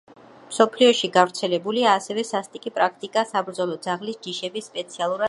მსოფლიოში გავრცელებულია ასევე სასტიკი პრაქტიკა საბრძოლო ძაღლის ჯიშების სპეციალურად გამოყვანა,